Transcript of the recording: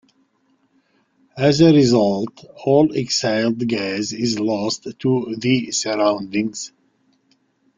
As a result, all exhaled gas is lost to the surroundings.